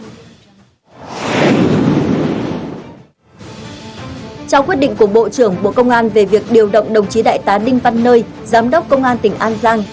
trao quyết định của bộ trưởng bộ công an về việc điều động đồng chí đại tá đinh văn nơi giám đốc công an tỉnh an giang